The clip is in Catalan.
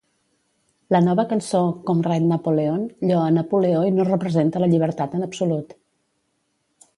La nova cançó "Comrade Napoleon" lloa a Napoleó i no representa la llibertat en absolut.